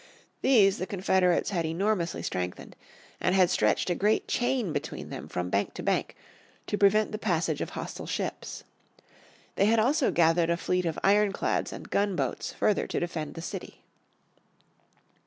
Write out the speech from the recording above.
These the Confederates had enormously strengthened, and had stretched a great chain between them from bank to bank, to prevent the passage of hostile ships. They had also gathered a fleet of ironclads and gunboats further to defend the city.